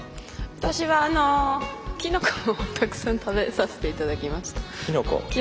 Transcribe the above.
私は、きのこをたくさん食べさせていただきました。